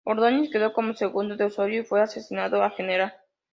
Ordóñez quedó como segundo de Osorio y fue ascendido a general.